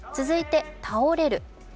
続いて、倒れる。